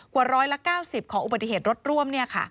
กว่า๑๙๐ของอุบัติเหตุรถร่วม